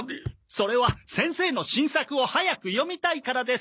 それは先生の新作を早く読みたいからです。